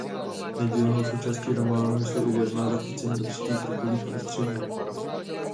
Nedílnou součástí románu jsou i věrná zachycení určitých typických prostředí.